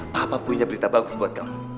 papa punya berita bagus buat kamu